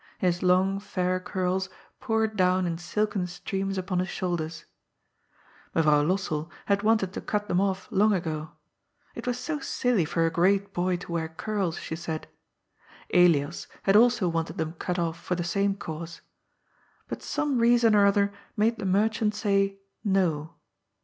His long fair curls poured down in silken streams upon his shoulders. Mevrouw Lossell had wanted to cut them oJBE long ago. It j was so silly for a great boy to wear curls, she said. Elias • had also wanted them cut off for the same cause. But some reason or other made the merchant say " No."